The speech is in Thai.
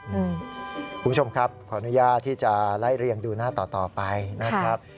คุณผู้ชมครับขออนุญาตที่จะไล่เรียงดูหน้าต่อไปนะครับ